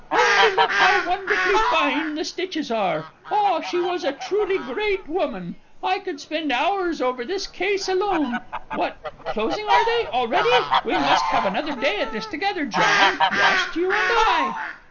Only look how wonderfully fine the stitches are. Ah, she was a truly great woman! I could spend hours over this case alone. What, closing are they, already? We must have another day at this together, John just you and I.